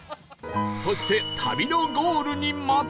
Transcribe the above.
そして旅のゴールに待つ